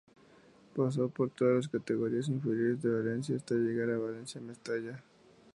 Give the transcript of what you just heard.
Pasó por todas las categorías inferiores del Valencia, hasta llegar al Valencia Mestalla.